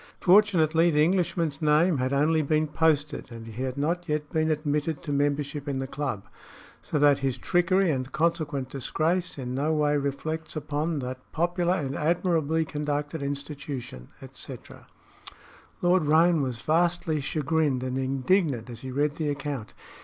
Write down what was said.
Fortunately, the Englishman's name had only been posted and he had not yet been admitted to membership in the club, so that his trickery and consequent disgrace in no way reflects upon that popular and admirably conducted institution, etc." Lord Roane was vastly chagrined and indignant as he read the account.